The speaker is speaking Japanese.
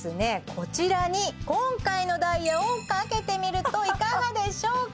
こちらに今回のダイヤをかけてみるといかがでしょうか！